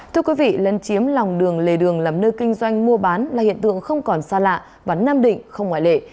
thưa quý vị lân chiếm lòng đường lề đường làm nơi kinh doanh mua bán là hiện tượng không còn xa lạ và nam định không ngoại lệ